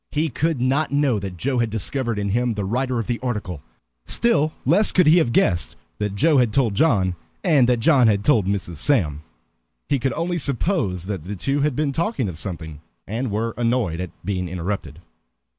He could not know that Joe had discovered in him the writer of the article, still less could he have guessed that Joe had told John, and that John had told Mrs. Sam. He could only suppose that the two had been talking of something, and were annoyed at being interrupted.